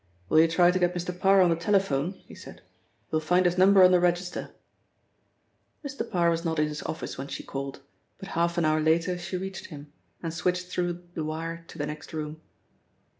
"Will you try to get Mr. Parr on the telephone?" he said. "You will find his number on the register." Mr. Parr was not in his office when she called, but half an hour later she reached him, and switched through the wire to the next room.